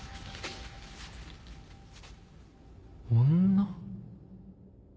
女？